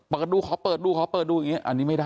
เปิดดูขอเปิดดูขอเปิดดูดูไม่ได้